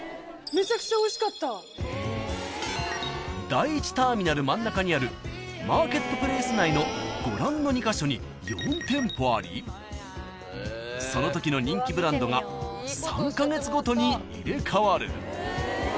［第１ターミナル真ん中にあるマーケットプレイス内のご覧の２カ所に４店舗ありそのときの人気ブランドが３カ月ごとに入れ替わる］